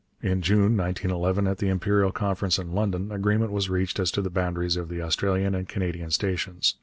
In June (1911), at the Imperial Conference in London, agreement was reached as to the boundaries of the Australian and Canadian stations.